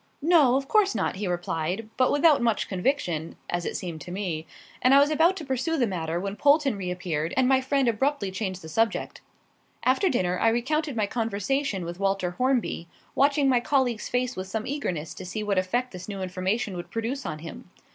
"No, of course not," he replied, but without much conviction, as it seemed to me; and I was about to pursue the matter when Polton reappeared, and my friend abruptly changed the subject. After dinner I recounted my conversation with Walter Hornby, watching my colleague's face with some eagerness to see what effect this new information would produce on him.